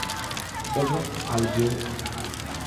Cibra algee